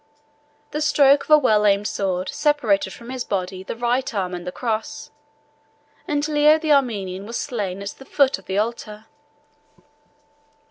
The stroke of a well aimed sword separated from his body the right arm and the cross, and Leo the Armenian was slain at the foot of the altar.